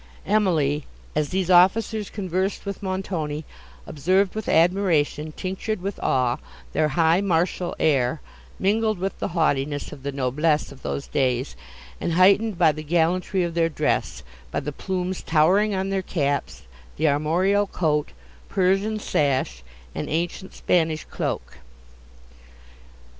Emily, as these officers conversed with Montoni, observed with admiration, tinctured with awe, their high martial air, mingled with the haughtiness of the noblesse of those days, and heightened by the gallantry of their dress, by the plumes towering on their caps, the armorial coat, Persian sash, and ancient Spanish cloak.